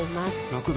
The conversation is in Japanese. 楽だ。